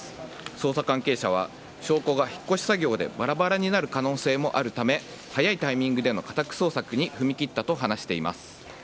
捜査関係者は証拠が引っ越し作業でバラバラになる可能性もあるため早いタイミングでの家宅捜索に踏み切ったと話しています。